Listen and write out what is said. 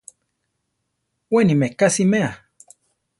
Weni meká siméa.